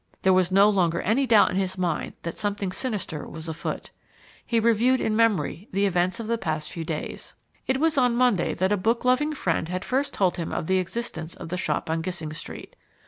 There was no longer any doubt in his mind that something sinister was afoot. He reviewed in memory the events of the past few days. It was on Monday that a bookloving friend had first told him of the existence of the shop on Gissing Street.